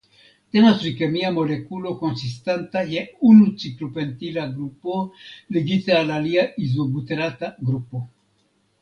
Temas pri kemia molekulo konsistanta je unu ciklopentila grupo ligita al alia izobuterata grupo.